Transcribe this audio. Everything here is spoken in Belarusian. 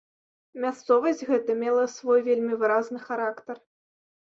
Мясцовасць гэта мела свой вельмі выразны характар.